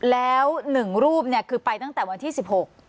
แล้วหนึ่งรูปเนี่ยคือไปตั้งแต่วันที่๑๖